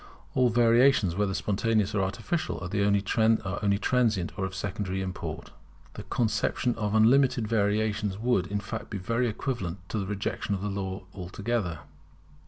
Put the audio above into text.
All variations, whether spontaneous or artificial, are only transient and of secondary import. The conception of unlimited variations would in fact be equivalent to the rejection of Law altogether.